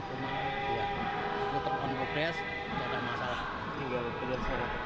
untuk on progress tidak ada masalah